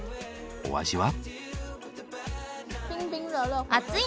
お味は？